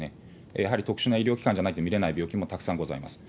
やはり特殊な医療機関でないと診れない病気もたくさんございます。